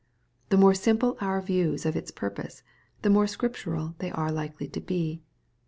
The more simple our views of its purpose, the more Scriptural they are likely to be.